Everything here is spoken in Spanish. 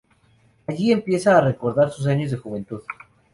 Allí empieza a recordar sus años de juventud.